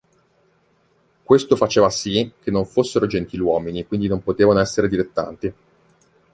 Questo faceva sì che "non fossero gentiluomini quindi non potevano essere dilettanti.